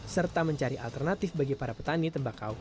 serta mencari alternatif bagi para petani tembakau